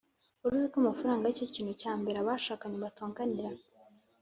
wari uziko amafaranga aricyo kintu cya mbere abashakanye batonganira